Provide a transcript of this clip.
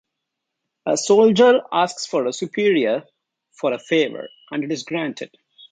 A soldier asks a superior for a favor, and it is granted.